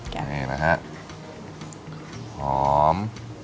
แค่นี้แหละฮะหอม